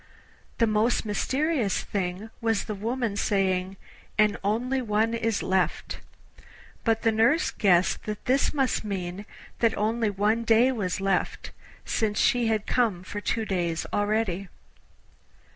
The most mysterious thing was the woman saying 'and only one is left;' but the nurse guessed that this must mean that only one day was left, since she had come for two days already.